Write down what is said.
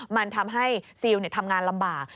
มันทำให้ซิลทำงานลำบาก